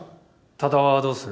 多田はどうする？